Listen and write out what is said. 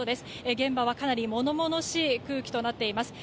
現場はかなり物々しい空気となっています。